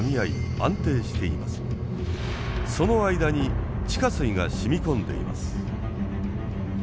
その間に地下水が染み込んでいます。